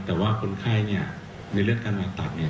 แต่ว่าคนไข้เนี่ยในเลือดการผ่าตัดเนี่ย